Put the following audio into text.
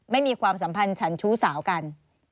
มีความสัมพันธ์ฉันชู้สาวกัน